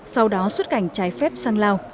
sau đó xuất cảnh trái phép sang lào